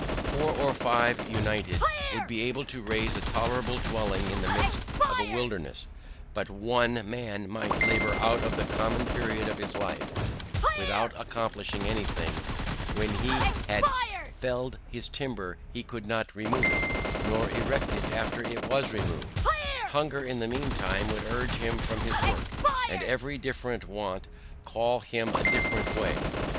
Four or five united would be able to raise a tolerable dwelling in the midst of a wilderness, but ONE man might labour out the common period of life without accomplishing any thing; when he had felled his timber he could not remove it, nor erect it after it was removed; hunger in the mean time would urge him from his work, and every different want call him a different way.